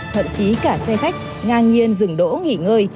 thậm chí cả xe khách ngang nhiên dừng đỗ nghỉ ngơi